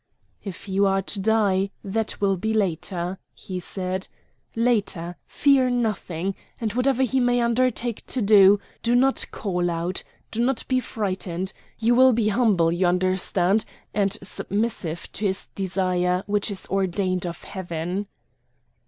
"If you are to die, that will be later," he said; "later! fear nothing! and whatever he may undertake to do, do not call out! do not be frightened! You will be humble, you understand, and submissive to his desire, which is ordained of heaven!"